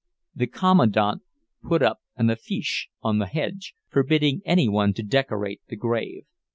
The Kommandant put up an affiche on the hedge, forbidding any one to decorate the grave.